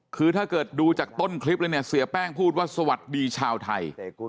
คือถ้าเกิดดูจากต้นคลิปแล้วเนี่ยเสียแป้งพูดว่าสวัสดีชาวไทย